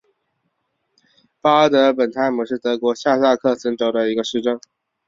巴德本泰姆是德国下萨克森州的一个市镇。